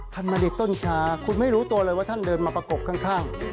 ท่านมาในต้นชาคุณไม่รู้ตัวเลยว่าท่านเดินมาประกบข้าง